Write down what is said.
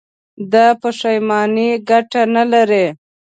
دا پښېماني گټه نه لري.